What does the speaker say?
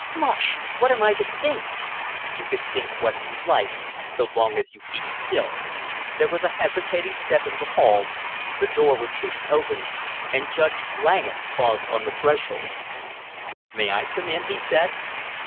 "Marsh, what am I to think!" "You can think what you like so long as you keep still " There was a hesitating step in the hall, the door was pushed open, and Judge Langham paused on the threshold. "May I come in?" he said.